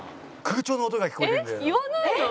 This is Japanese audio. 空調の音が聞こえるんだよ。